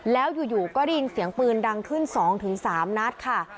แล้วอยู่ก็ได้ยินเสียงปืนดังขึ้น๒๓นัดค่ะ